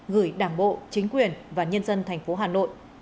gửi đảng bộ chính quyền và nhân dân thành phố hà nội